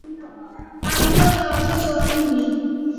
Alipata watoto wanne